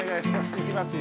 いきますよ。